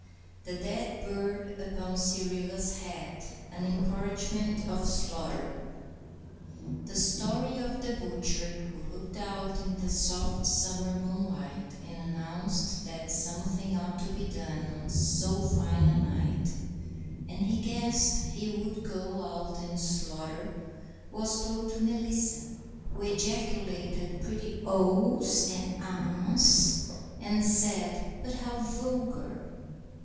THE DEAD BIRD UPON CYRILLA'S HAT AN ENCOURAGEMENT OF "SLARTER" The story of the butcher who looked out in the soft summer moonlight and announced that something ought to be done on so fine a night, and he guessed he would go out and "slarter," was told to Melissa, who ejaculated pretty ohs and ahs, and said, "But how vulgar."